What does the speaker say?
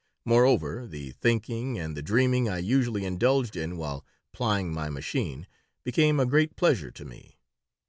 Moreover, the thinking and the dreaming I usually indulged in while plying my machine became a great pleasure to me.